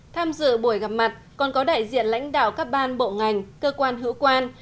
tham dự buổi gặp mặt còn có đại diện lãnh đạo các ban bộ ngành cơ quan hữu quan